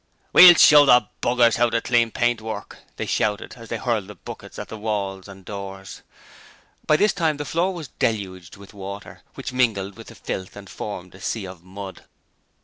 'We'll show the b rs how to clean paintwork,' they shouted, as they hurled the buckets at the walls and doors. By this time the floor was deluged with water, which mingled with the filth and formed a sea of mud.